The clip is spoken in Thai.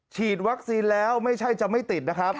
ฉีดวัคซีนแล้วไม่ใช่จะไม่ติด